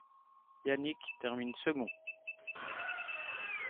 Yannick termine second.